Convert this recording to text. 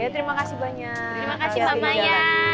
terima kasih banyak terima kasih mbak maya